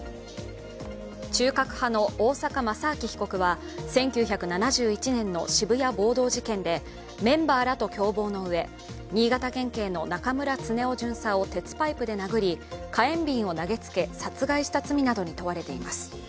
中核派の大坂正明被告は１９７１年の渋谷暴動事件でメンバーらと共謀のうえ新潟県警の中村恒雄巡査を鉄パイプで殴り、火炎瓶を投げつけ殺害した罪などに問われています。